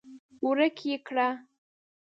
ورک يې کړه!